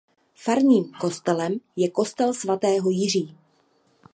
Farním kostelem je kostel svatého Jiří.